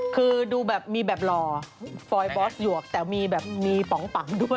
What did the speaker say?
คือดูแบบมีแบบหล่อฟอยบอสหยวกแต่มีแบบมีป๋องปังด้วย